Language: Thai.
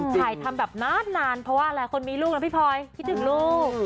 ถ่ายทำแบบนานเพราะว่าหลายคนมีลูกนะพี่พลอยคิดถึงลูก